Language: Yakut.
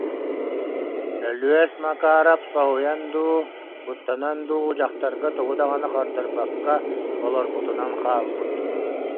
Өлүөс Макаарап соһуйан дуу, куттанан дуу дьахтарга тугу даҕаны хардарбакка олорбутунан хаалбыт